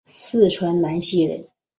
四川南溪人。